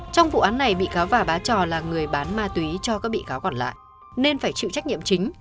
trong vụ án này bị cáo và bá trò là người bán ma túy cho các bị cáo còn lại nên phải chịu trách nhiệm chính